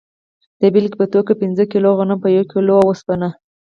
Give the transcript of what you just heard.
د بیلګې په توګه پنځه کیلو غنم په یوه کیلو اوسپنه.